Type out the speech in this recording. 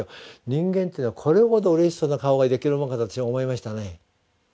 人間というのはこれほどうれしそうな顔ができるもんかと私は思いましたね。